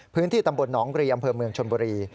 พื้นที่ตำบลหนองรีอำเภอเมืองชนบุรี